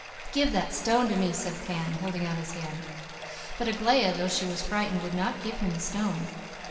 "'Give that stone to me,' said Pan, holding out his hand. "But Aglaia, though she was frightened, would not give him the stone.